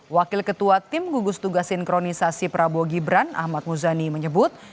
wakil ketua tim gugus tugas sinkronisasi prabowo gibran ahmad muzani menyebut